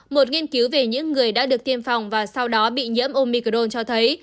một nghiên cứu về những người đã được tiêm phòng và sau đó bị nhiễm omicron cho thấy